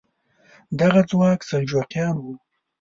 دغه ځواک سلجوقیان وو.